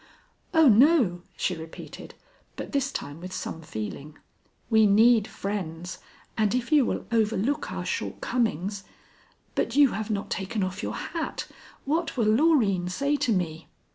"Oh, no," she repeated, but this time with some feeling; "we need friends, and if you will overlook our shortcomings But you have not taken off your hat. What will Loreen say to me?"